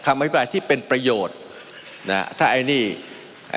มันมีมาต่อเนื่องมีเหตุการณ์ที่ไม่เคยเกิดขึ้น